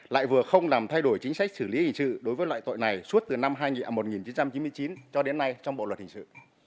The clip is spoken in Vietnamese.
lại vừa không làm thay đổi chính sách xử lý hình sự đối với loại tội này suốt từ năm một nghìn chín trăm chín mươi chín cho đến nay trong bộ luật hình sự